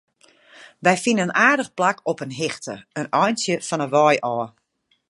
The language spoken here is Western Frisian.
Wy fine in aardich plak op in hichte, in eintsje fan 'e wei ôf.